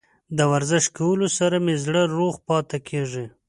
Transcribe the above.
د ورزش کولو سره مې زړه روغ پاتې کیږي.